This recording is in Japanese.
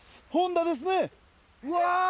うわ！